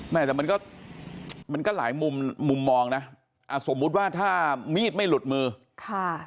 แต่มันก็มันก็หลายมุมมุมมองนะอ่าสมมุติว่าถ้ามีดไม่หลุดมือค่ะ